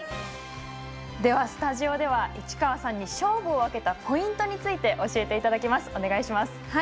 では、スタジオでは市川さんに勝負を分けたポイントについて教えていただきます。